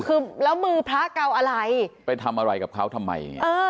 คือแล้วมือพระเกาอะไรไปทำอะไรกับเขาทำไมเออ